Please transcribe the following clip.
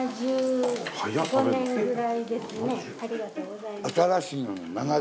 ・ありがとうございます。